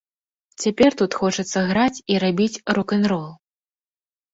Цяпер тут хочацца граць і рабіць рок-н-рол.